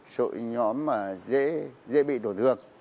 số nhóm mà dễ bị tổn thương